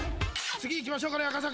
次行きましょうかね赤坂。